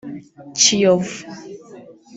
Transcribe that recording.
Kiyovu